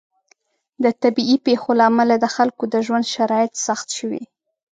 د طبیعي پیښو له امله د خلکو د ژوند شرایط سخت شوي.